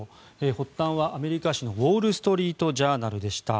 発端はアメリカ紙のウォール・ストリート・ジャーナルでした。